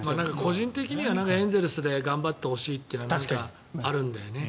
我々としてはエンゼルスで頑張ってほしいというのがあるんだよね。